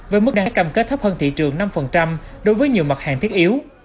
với mức đang cầm kết thấp hơn thị trường năm đối với nhiều mặt hàng thiết yếu